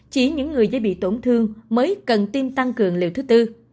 chỉ những người dễ bị tổn thương mới cần tiêm tăng cường liều thứ tư